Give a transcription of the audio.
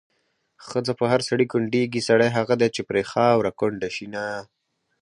ښځه په هر سړي کونډېږي، سړی هغه دی چې پرې خاوره کونډه شېنه